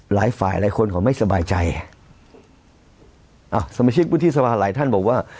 หลายฝ่ายหลายคนเขาไม่สบายใจอ่ะสมาชิกวุฒิสภาหลายท่านบอกว่า